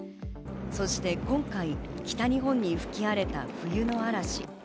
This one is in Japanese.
そして今回、北日本に吹き荒れた冬の嵐。